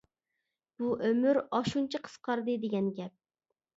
بۇ ئۆمۈر ئاشۇنچە قىسقاردى دېگەن گەپ.